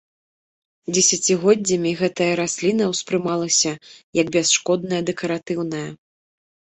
Дзесяцігоддзямі гэтая расліна ўспрымалася як бясшкодная дэкаратыўная.